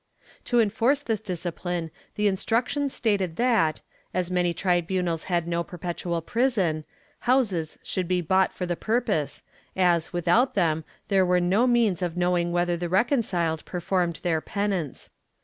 ^ To enforce this discipline the Instructions stated that, as many tribunals had no perpetual prison, houses should be bought for the purpose as, without them there were no means of knowing whether the reconciled performed their penance.